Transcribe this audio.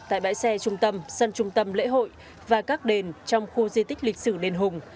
tại bãi xe trung tâm sân trung tâm lễ hội và các đền trong khu di tích lịch sử đền hùng